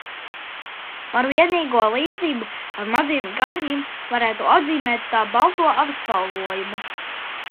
Par vienīgo līdzību ar mazajiem gārņiem varētu atzīmēt tā balto apspalvojumu.